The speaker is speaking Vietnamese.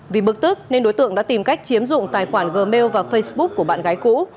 vì bực tức nên đối tượng đã tìm cách chiếm dụng tài khoản gmail và facebook của bạn gái cũ